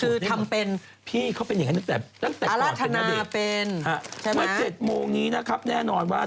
คือทำเป็นพี่เป็นอย่างงั้นตั้งแต่ก่อนเป็นณเดชวันเจ็ดโมงนี้แน่นอนว่า